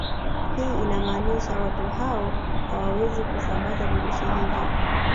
Hii inamaanisha watu hao hawawezi kusambaza virusi hivyo